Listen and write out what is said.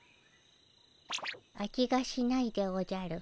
味がしないでおじゃる。